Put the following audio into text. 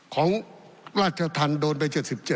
ของราชธรรมโดนไป๗๗